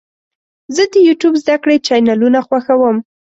زه د یوټیوب زده کړې چینلونه خوښوم.